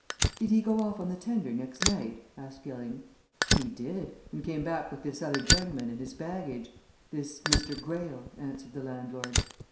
"Did he go off on the tender next night?" asked Gilling. "He did and came back with this other gentleman and his baggage this Mr. Greyle," answered the landlord.